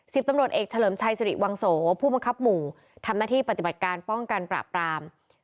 ตำรวจเอกเฉลิมชัยสิริวังโสผู้บังคับหมู่ทำหน้าที่ปฏิบัติการป้องกันปราบราม